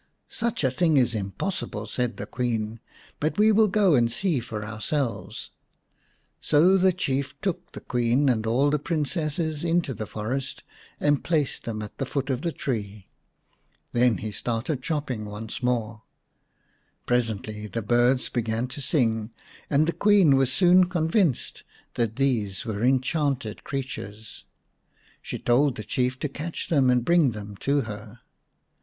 " Such a thing is impossible," said the Queen, "but we will go and see for ourselves." So the Chief took the Queen and all the Princesses into the forest and placed them at the foot of the tree. Then he started chopping once 130 x The Fairy Bird more. Presently the birds began to sing, and the Queen was soon convinced that these were enchanted creatures. She told the Chief to catch them and bring them to her.